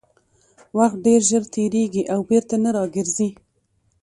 وخت ډېر ژر تېرېږي او بېرته نه راګرځي